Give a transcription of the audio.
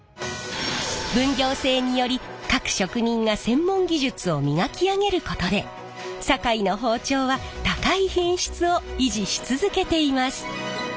分業制により各職人が専門技術を磨き上げることで堺の包丁は高い品質を維持し続けています。